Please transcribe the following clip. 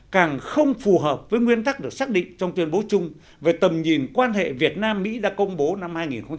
càng không phù hợp với nguyên tắc được xác định trong tuyên bố chung về tầm nhìn quan hệ việt nam mỹ đã công bố năm hai nghìn hai mươi